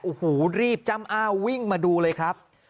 โอ้โหรีบจ้ำอ้าววิ่งมาดูเลยครับ